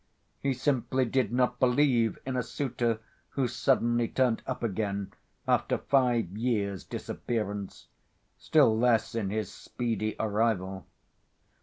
He simply did not believe in a suitor who suddenly turned up again after five years' disappearance, still less in his speedy arrival.